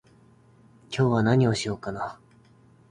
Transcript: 今日は何をしようかな